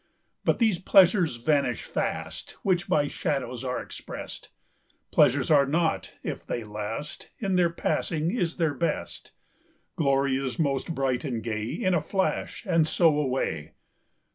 But these pleasures vanish fastWhich by shadows are expressed:Pleasures are not, if they last, In their passing, is their best:Glory is most bright and gayIn a flash, and so away.